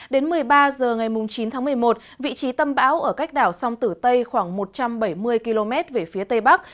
đến một mươi ba h ngày chín tháng một mươi một vị trí tâm bão ở cách đảo sông tử tây khoảng một trăm bảy mươi km về phía tây bắc